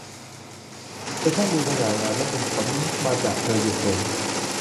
เธอช่างดูสง่างามและเป็นผลมาจากเธออยู่สูง